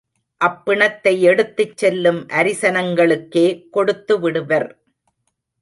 அப்பிணத்தை எடுத்துச் செல்லும் அரிசனங்களுக்கே கொடுத்து விடுவர்.